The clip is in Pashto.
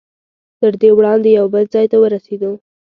تر دې وړاندې یو بل ځای ته ورسېدو.